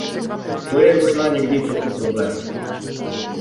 To je možná někdy trochu problém.